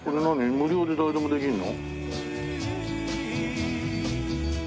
無料で誰でもできるの？